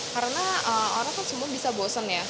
karena orang kan semua bisa bosan ya